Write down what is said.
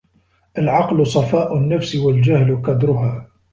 العقل صفاء النفس والجهل كدرها